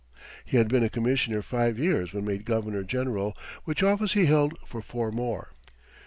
He had been a commissioner five years when made governor general, which office he held for four more.